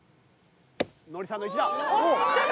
ノリさんの１打。きたか？